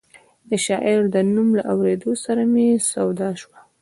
د شاعر د نوم له اورېدو سره مې سودا شوه.